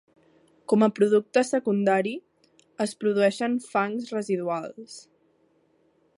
Com a producte secundari, es produeixen fangs residuals.